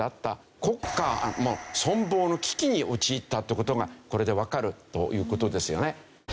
国家の存亡の危機に陥ったって事がこれでわかるという事ですよね。